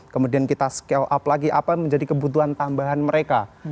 kemudian kita scale up lagi apa yang menjadi kebutuhan tambahan mereka